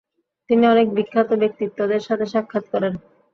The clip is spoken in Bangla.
তিনি অনেক বিখ্যাত ব্যক্তিত্বদের সাথে সাক্ষাৎ করেন।